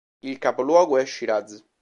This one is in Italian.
Il capoluogo è Shiraz.